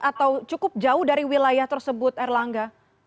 atau cukup jauh dari wilayah tersebut erlangga